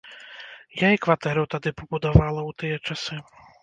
Я і кватэру тады пабудавала ў тыя часы.